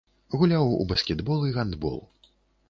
Гуляў у баскетбол і гандбол.